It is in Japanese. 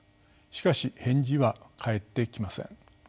しかし返事は返ってきません。